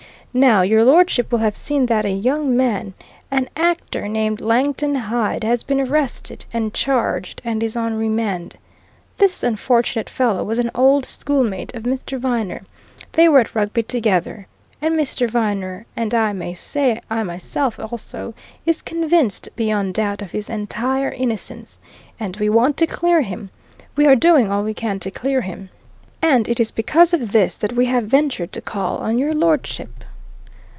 Now, your lordship will have seen that a young man, an actor named Langton Hyde, has been arrested and charged, and is on remand. This unfortunate fellow was an old schoolmate of Mr. Viner they were at Rugby together; and Mr. Viner and I may say I myself also is convinced beyond doubt of his entire innocence, and we want to clear him; we are doing all we can to clear him. And it is because of this that we have ventured to call on your lordship."